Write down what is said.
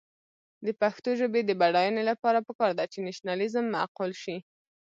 د پښتو ژبې د بډاینې لپاره پکار ده چې نیشنلېزم معقول شي.